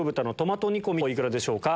お幾らでしょうか？